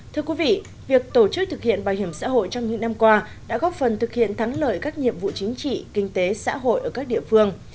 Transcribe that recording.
thưa quý vị việc tổ chức thực hiện bảo hiểm xã hội trong những năm qua đã góp phần thực hiện thắng lợi các nhiệm vụ chính trị kinh tế xã hội ở các địa phương